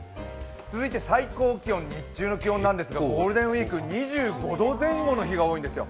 続いて最高気温、日中の気温なんですがゴールデンウイーク、２５度前後の日が多いんですよ。